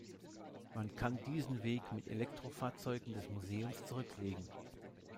Man kann diesen Weg mit Elektrofahrzeugen des Museums zurücklegen.